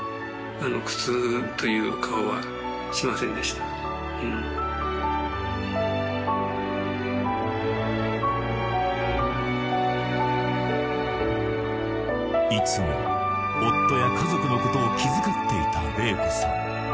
はいいつも夫や家族のことを気遣っていた玲子さん